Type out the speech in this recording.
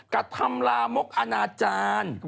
กระทำลามกอนาจารย์